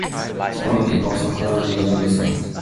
The plant is also highly deer resistant.